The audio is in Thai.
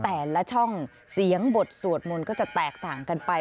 แต่ละช่องเสียงบทสวดมนต์ก็จะแตกต่างกันไป